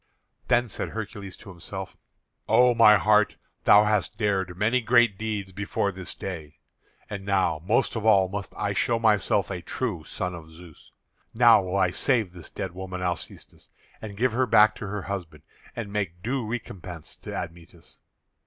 Then said Hercules to himself: "O my heart, thou hast dared many great deeds before this day; and now most of all must I show myself a true son of Zeus. Now will I save this dead woman Alcestis, and give her back to her husband, and make due recompense to Admetus.